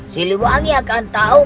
siliwangi akan tahu